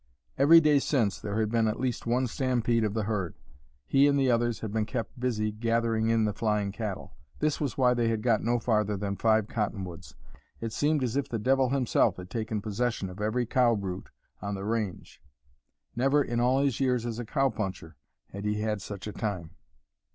Every day since there had been at least one stampede of the herd. He and the others had been kept busy gathering in the flying cattle. This was why they had got no farther than Five Cottonwoods. It seemed as if the devil himself had taken possession of every cow brute on the range; never in all his years as a cow puncher had he had such a time.